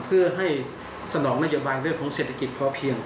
เพื่อให้สนองนโยบายเรื่องของเศรษฐกิจพอเพียง